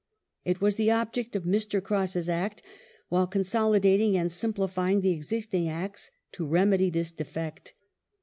It was the object of Mr. Cross's Act, while consolidating and simplifying the existing Acts to remedy this defect.